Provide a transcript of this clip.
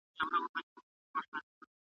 فرد خپل ځان تر نورو ځاروي.